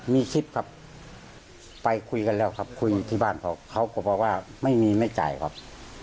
มีคลิปครับไปคุยกันแล้วครับคุยที่บ้านเขาเขาก็บอกว่าไม่มีไม่จ่ายครับ